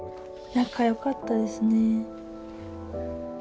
仲よかったですね。